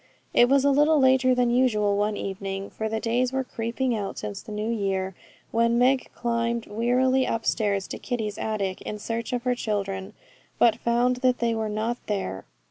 It was a little later than usual one evening, for the days were creeping out since the new year, when Meg climbed wearily upstairs to Kitty's attic, in search of her children, but found that they were not there.